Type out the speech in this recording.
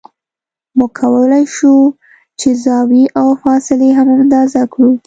موږ کولای شو چې زاویې او فاصلې هم اندازه کړو